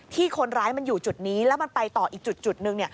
ที่คนร้ายมันอยู่จุดนี้แล้วมันไปต่ออีกจุดหนึ่ง